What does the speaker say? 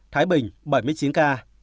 thái bình bảy mươi chín ca